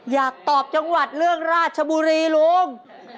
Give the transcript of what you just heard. อยากตอบจังหวัดเรื่องราชบุรีลุง